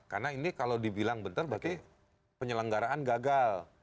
karena ini kalau dibilang benar berarti penyelenggaraan gagal